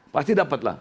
pasti dapat lah